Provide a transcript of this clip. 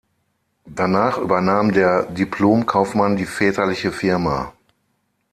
Danach übernahm der Diplom-Kaufmann die väterliche Firma.